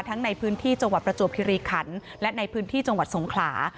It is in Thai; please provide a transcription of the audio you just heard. ในพื้นที่จังหวัดประจวบคิริขันและในพื้นที่จังหวัดสงขลา